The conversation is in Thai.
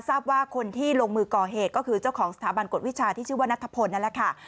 ทราบว่าคนที่ลงมือก่อเหตุก็คือเจ้าของสถาบันกฎวิชาที่ชื่อว่านัทพลนั่นแหละค่ะ